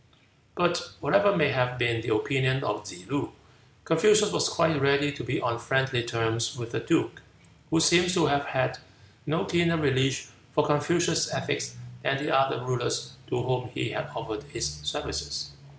'" But whatever may have been the opinion of Tsze loo, Confucius was quite ready to be on friendly terms with the duke, who seems to have had no keener relish for Confucius' ethics than the other rulers to whom he had offered his services.